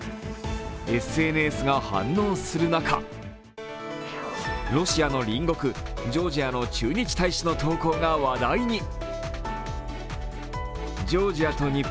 ＳＮＳが反応する中、ロシアの隣国ジョージアの駐日大使の投稿が話題に。